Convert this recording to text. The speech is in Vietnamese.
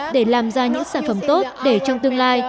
để làm ra những sản phẩm tốt để trong tương lai